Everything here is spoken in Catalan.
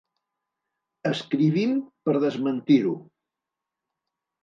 Escrivim per desmentir-ho.